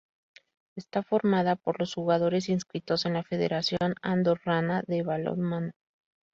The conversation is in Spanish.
Esta formada por los jugadores inscritos en la Federación Andorrana de Balonmano.